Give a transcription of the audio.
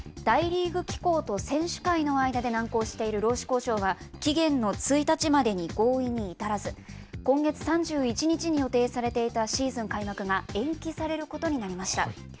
大リーグ機構と選手会の間で難航している労使交渉が、期限の１日までに合意に至らず、今月３１日に予定されていたシーズン開幕が延期されることになりました。